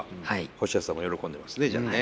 ホシヤさんも喜んでますねじゃあね。